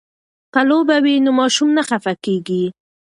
که لوبه وي نو ماشوم نه خفه کیږي.